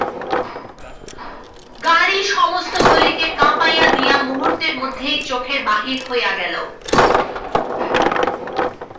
গাড়ি সমস্ত গলিকে কাঁপাইয়া দিয়া মুহূর্তের মধ্যেই চোখের বাহির হইয়া গেল।